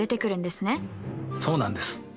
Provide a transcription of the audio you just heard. そうなんです。